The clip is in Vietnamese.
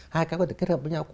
hai cái có thể kết hợp với nhau